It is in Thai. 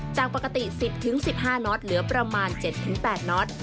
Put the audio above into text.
จากปกติ๑๐๑๕น็อตเหลือประมาณ๗๘น็อต